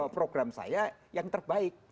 program saya yang terbaik